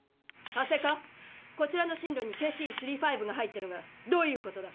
管制課こちらの進路にＫＣ−３５が入ってるがどういうことだ？